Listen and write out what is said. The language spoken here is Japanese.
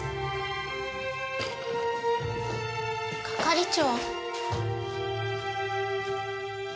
係長？